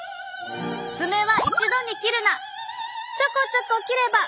「爪は一度に切るな！」。